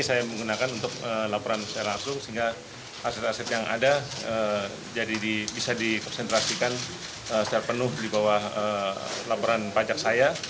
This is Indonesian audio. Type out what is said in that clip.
saya menggunakan untuk laporan secara langsung sehingga aset aset yang ada bisa dikonsentrasikan secara penuh di bawah laporan pajak saya